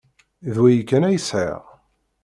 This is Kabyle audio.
D wayi kan ay sɛiɣ.